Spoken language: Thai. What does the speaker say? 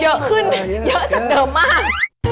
เยอะขึ้นเยอะจากเดิมมาก